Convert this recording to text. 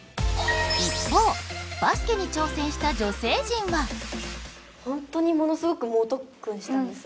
一方バスケに挑戦した女性陣はホントにものすごく猛特訓したんです